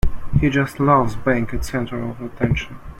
He just loves being the center of attention.